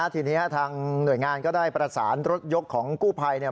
ทีนี้ทางหน่วยงานก็ได้ปรัสสารรถยกของกู้ไพค์